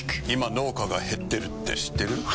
今農家が減ってるって知ってる？